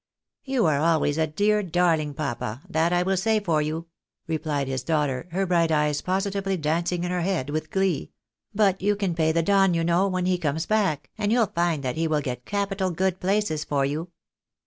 " You are always a dear darling, papa, that I will say for you," replied his daughter, her bright eyes positively dancing in her head with glee ;" but you can pay the Don, you know, when he comes back, and you'll find that he will get capital good places for you."